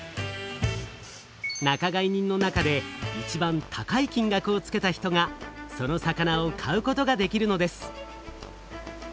仲買人の中でいちばん高い金額をつけた人がその魚を買うことができるのです。